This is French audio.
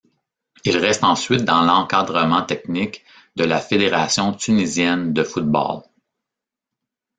Il reste ensuite dans l'encadrement technique de la Fédération tunisienne de football.